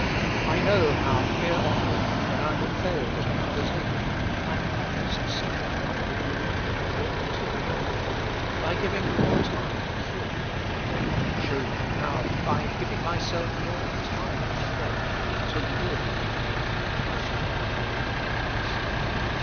I know how here on earth, when I have failed in an undertaking, I can often succeed by renewed and more continuing effort, by giving more time and thought: show me how, by giving myself more entirely to prayer, to live in prayer, I shall obtain what I ask.